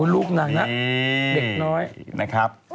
ลูกนางนะเด็กน้อยนะครับ